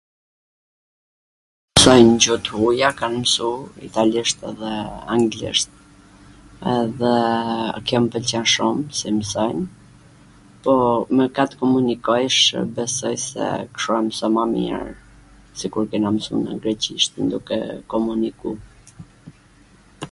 msojn gju t huja, kan msu italisht edhe anglisht edhe kjo m pwlqen shum q i msojn. po me ka t komunikojsh besoj se kshu e mson ma mir, sikur kena msu ne greqishten duke komuniku...